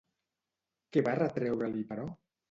Què va retreure-li, però?